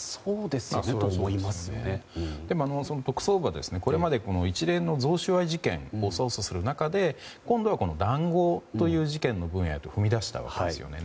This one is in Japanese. でも、特捜部がこれまで一連の贈収賄事件を捜査する中で今度は談合という事件の分野に踏み出したわけですよね。